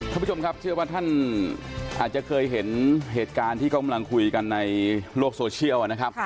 คุณผู้ชมครับเชื่อว่าท่านอาจจะเคยเห็นเหตุการณ์ที่เขากำลังคุยกันในโลกโซเชียลนะครับ